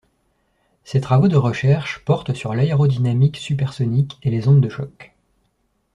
Ses travaux de recherche portent sur l'aérodynamique supersonique et les ondes de choc.